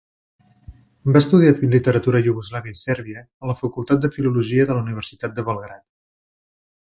Va estudiar literatura iugoslava i sèrbia a la facultat de filologia de la universitat de Belgrad.